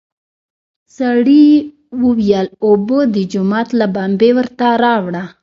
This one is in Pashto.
سړي وويل: اوبه د جومات له بمبې ورته راوړه!